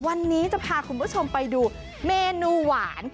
วันนี้จะพาคุณผู้ชมไปดูเมนูหวาน